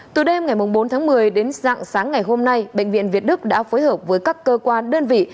từ đêm ngày bốn tháng một mươi đến dạng sáng ngày hôm nay bệnh viện việt đức đã phối hợp với các cơ quan đơn vị